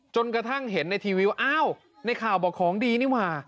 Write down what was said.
จนกระทั่งเห็นในทีวีว่าอ้าวในข่าวบอกของดีนี่ว่า